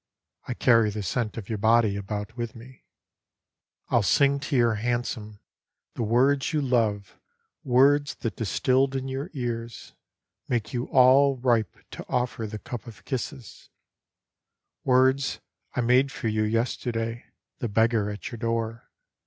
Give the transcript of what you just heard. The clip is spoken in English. I carry the scent of your body about with me. 36 LOVER'S JEALOUSY ;» I'll sing to your handsome the words you love, words that distilled in your ears Make you all ripe to offer the cup of kisses, Words I made for you yesterday, the beggar at your door.